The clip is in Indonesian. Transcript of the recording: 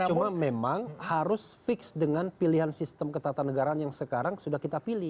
cuma memang harus fix dengan pilihan sistem ketatanegaraan yang sekarang sudah kita pilih